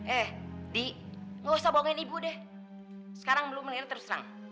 eh di gak usah bohongin ibu deh sekarang belum menerima terus terang